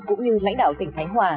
cũng như lãnh đạo tỉnh khánh hòa